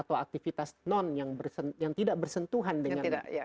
atau aktivitas non yang tidak bersentuhan dengan